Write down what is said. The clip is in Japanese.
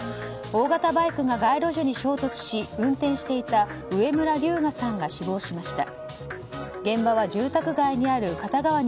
大型バイクが街路樹に衝突し運転していた植村琉雅さんが死亡しました。